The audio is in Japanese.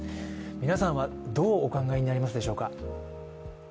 皆さんはどうお考えになりますでしょうか。